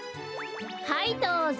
はいどうぞ。